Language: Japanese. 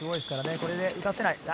これで行かせない。